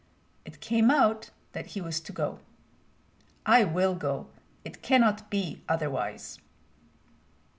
It came out that he was to go. "I will go; it cannot be otherwise."